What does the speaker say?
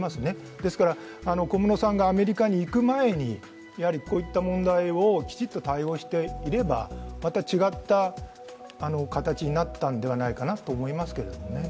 ですから、小室さんがアメリカに行く前に、やはりこういった問題をきちっと対応していれば、また違った形になったんではないかと思いますけどね。